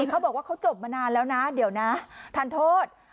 เขาบอกว่าเขาจบมานานแล้วนะเดี๋ยวนะทานโทษ